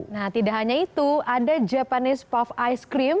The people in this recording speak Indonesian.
nah tidak hanya itu ada japanese pop ice cream